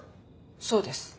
そうです。